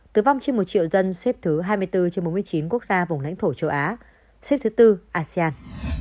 tử vong trên một triệu dân xếp thứ hai mươi bốn trên bốn mươi chín quốc gia vùng lãnh thổ châu á xếp thứ tư asean